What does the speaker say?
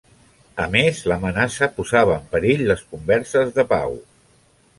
A més, l'amenaça posava en perill les converses de pau.